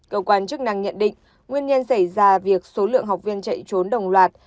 cơ quan chức năng nhận định nguyên nhân xảy ra việc số lượng học viên chạy trốn đồng loạt